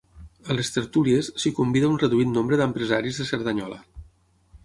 A les tertúlies s'hi convida un reduït nombre d'empresaris de Cerdanyola.